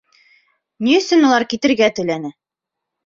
Ни өсөн улар китергә теләне?